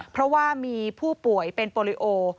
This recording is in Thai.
เพราะว่ามีผู้ป่วยเป็นโปรลิโอ